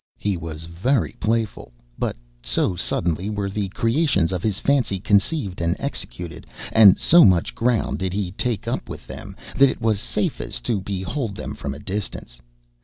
He was very playful, but so suddenly were the creations of his fancy conceived and executed, and so much ground did he take up with them, that it was safest to behold them from a distance.